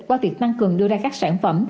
qua việc tăng cường đưa ra các sản phẩm